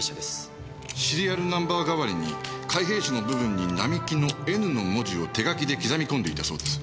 シリアルナンバー代わりに開閉子の部分に並木の「Ｎ」の文字を手書きで刻み込んでいたそうです。